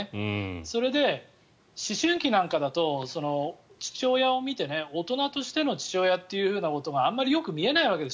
それで、思春期なんかだと父親を見て大人としての父親ということがあまりよく見えないわけです。